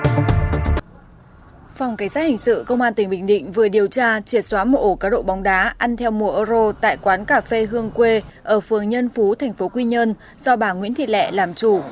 phòng cảnh sát hình sự công an tỉnh bình định vừa điều tra triệt xóa một ổ cá độ bóng đá ăn theo mùa euro tại quán cà phê hương quê ở phường nhân phú tp quy nhơn do bà nguyễn thị lẹ làm chủ